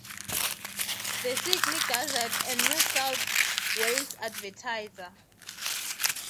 The Sydney Gazette and New South Wales Advertiser.